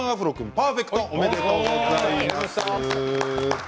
パーフェクトおめでとうございます。